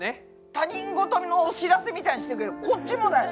他人事のお知らせみたいにしてるけどこっちもだよ！